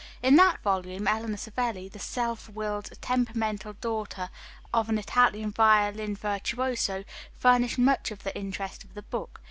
In that volume Eleanor Savelli, the self willed, temperamental daughter of an Italian violin virtuoso, furnished much of the interest of the book.